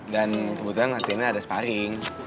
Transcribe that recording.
dan kebetulan latihannya ada sparring